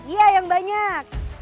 iya yang banyak